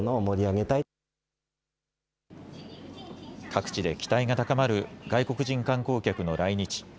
各地で期待が高まる外国人観光客の来日。